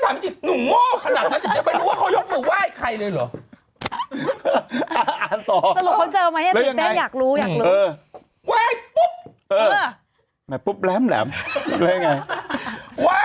เด็กชายที่คนเดินออกมาจากบริเวณจังกาว